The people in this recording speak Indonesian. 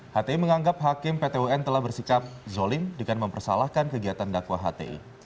hti menganggap hakim pt un telah bersikap zolim dengan mempersalahkan kegiatan dakwah hti